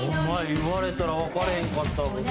言われたらわかれへんかったわ」